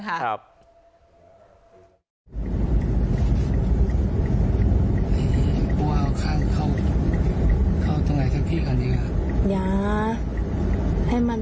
ให้ไปด้วยกันเลยใช่ไหมไปด้วยกันเลย